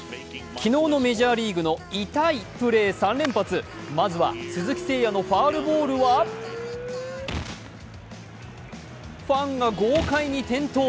昨日のメジャーリーグの痛いプレー３連発まずは鈴木誠也のファウルボールはファンが豪快に転倒。